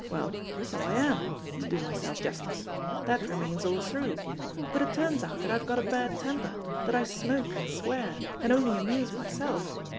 Well, so I am, to do myself justice. That remains all through. But it turns out that I've got a bad temper, that I smoke and swear, and only amuse myself.